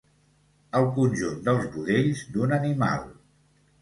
El conjunt dels budells d'un animal.